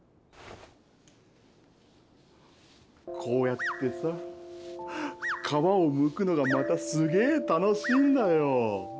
こうやってさ皮をむくのがまたすげえ楽しいんだよ。